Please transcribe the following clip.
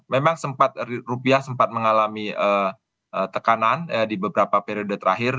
memang rupiah sempat mengalami tekanan di beberapa periode terakhir